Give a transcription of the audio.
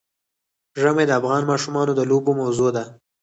ژمی د افغان ماشومانو د لوبو موضوع ده.